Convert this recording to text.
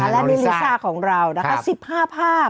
และในลิซ่าของเรานะคะ๑๕ภาพ